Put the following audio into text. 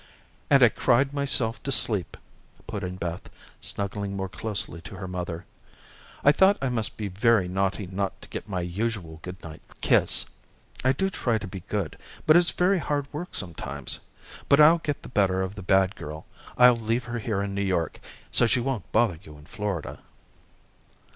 "And I cried myself to sleep," put in Beth, snuggling more closely to her mother. "I thought I must be very naughty not to get my usual good night kiss. I do try to be good, but it's very hard work sometimes. But I'll get the better of the bad girl, I'll leave her here in New York, so she won't bother you in Florida."